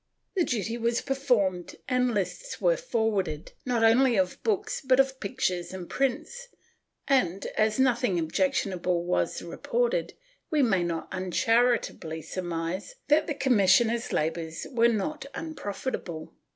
The duty was performed and lists were forwarded, not only of books but of pictures and prints and, as nothing objectionable was reported, we may not uncharitably surmise that the commissioner's labor was not un profitable.